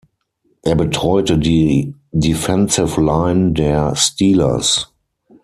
Er betreute die Defensive Line der Steelers.